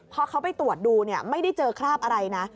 พอเขาไปตรวจดูไม่ได้เจอคราบอะไรนะ